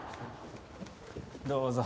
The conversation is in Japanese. どうぞ。